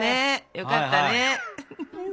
よかったね。